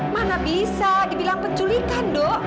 mana bisa dibilang penculikan dok